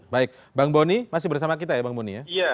baik bang boni masih bersama kita ya bang boni ya